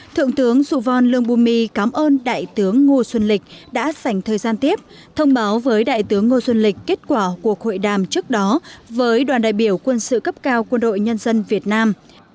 thượng tướng sụ vòn lương bùi my cảm ơn đại tướng ngô xuân lịch đã dành thời gian tiếp thông báo với đại tướng ngô xuân lịch kết quả cuộc hội đàm trước đó với đoàn đại biểu quân sự cấp cao quân đội nhân dân việt nam